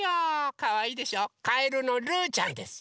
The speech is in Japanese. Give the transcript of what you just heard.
かわいいでしょかえるのルーちゃんです。